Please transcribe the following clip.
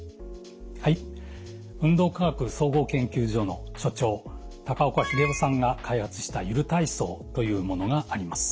はい運動科学総合研究所の所長高岡英夫さんが開発したゆる体操というものがあります。